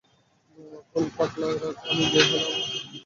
Whole পাগলা, শুনে রাখ, আমি গে হলে, আমার সাথে শুতে চাইতি!